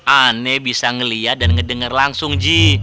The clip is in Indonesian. aneh bisa ngeliat dan ngedenger langsung ci